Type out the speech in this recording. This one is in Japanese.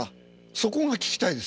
そこが聞きたいです。